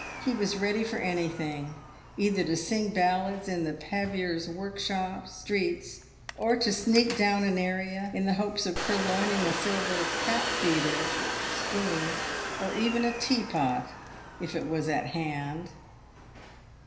He was ready for anything, either to sing ballads in the "paviors' work shop" (streets), or to " sneak down an area" in the hopes of pur loining a silver " pap feeder" (spoon), or even a teapot, if it was at hand.